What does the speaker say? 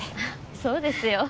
そうですよ。